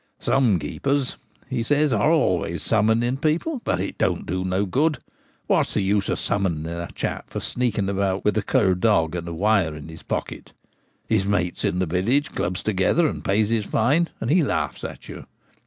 ' Some keepers/ he says, * are always summoning people, but it don't do no good. What's the use of summoning a chap for sneaking about with a cur dog and a wire in his pocket ? His mates in the village clubs together and pays his fine, and he laughs at you.